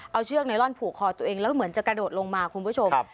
เอาเชือกไนลอนผูกคอตัวเองแล้วเหมือนจะกระโดดลงมาคุณผู้ชม